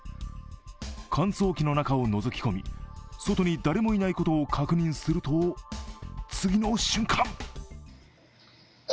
乾燥機の中をのぞき込み、外に誰もいないことを確認すると次の瞬間